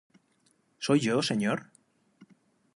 ¿Soy yo, Señor?